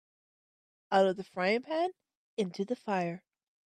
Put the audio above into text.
Out of the frying pan into the fire.